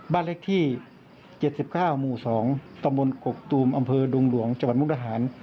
บ้านเลขที่๗๙หมู่๒ตำบลกกตูมอำเภอดงหลวงจังหวัดมุกดาหาร